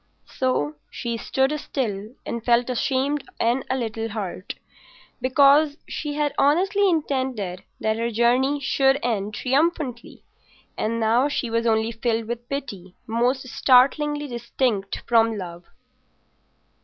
So she stood still and felt ashamed and a little hurt, because she had honestly intended that her journey should end triumphantly; and now she was only filled with pity most startlingly distinct from love.